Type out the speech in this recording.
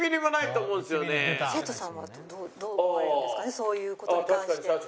そういう事に関して。